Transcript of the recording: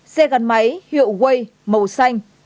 xe gắn máy hiệu way màu xanh